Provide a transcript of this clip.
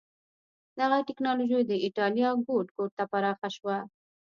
دغه ټکنالوژي د اېټالیا ګوټ ګوټ ته پراخه شوه.